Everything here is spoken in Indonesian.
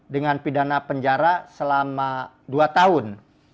dengan pidana penjara selama dua tahun